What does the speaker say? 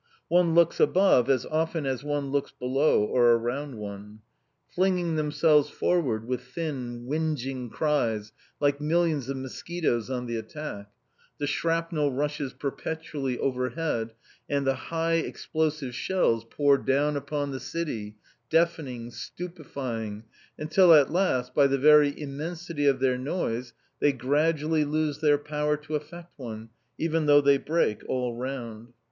One looks above as often as one looks below or around one. Flinging themselves forward with thin whinging cries like millions of mosquitoes on the attack, the shrapnel rushes perpetually overhead, and the high explosive shells pour down upon the city, deafening, stupefying, until at last, by the very immensity of their noise, they gradually lose their power to affect one, even though they break all round.